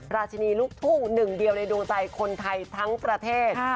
ราชินีลูกทุ่งหนึ่งเดียวในดวงใจคนไทยทั้งประเทศ